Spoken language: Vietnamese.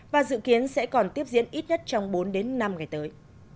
và dự kiến sẽ còn tiếp diễn ít nhất trong bốn đến năm ngày tới